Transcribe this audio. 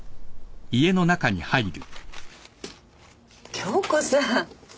杏子さん。